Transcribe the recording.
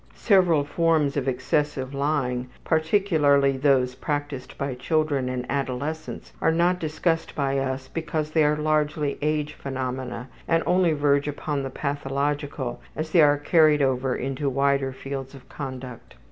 Several forms of excessive lying, particularly those practised by children and adolescents, are not discussed by us because they are largely age phenomena and only verge upon the pathological as they are carried over into wider fields of conduct.